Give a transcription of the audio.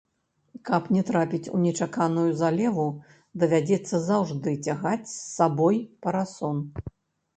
Каб не трапіць у нечаканую залеву, давядзецца заўжды цягаць з сабой парасон.